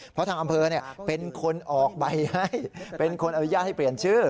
เพราะทางอำเภอเป็นคนออกใบให้เป็นคนอนุญาตให้เปลี่ยนชื่อ